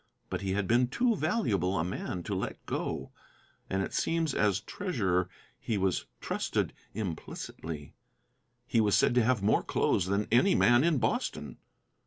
But he had been too valuable a man to let go, and it seems as treasurer he was trusted implicitly. He was said to have more clothes than any man in Boston.